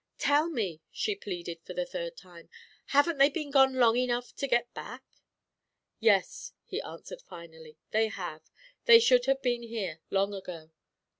"Tell me," she pleaded, for the third time, "haven't they been gone long enough to get back?" "Yes," he answered finally; "they have. They should have been here long ago."